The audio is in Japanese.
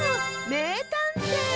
めいたんてい！